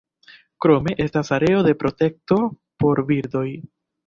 Krome estas areo de protekto por birdoj.